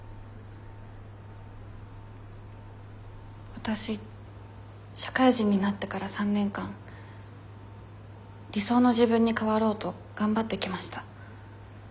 わたし社会人になってから３年間理想の自分に変わろうと頑張ってきました。